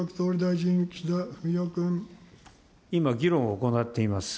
今、議論を行っております。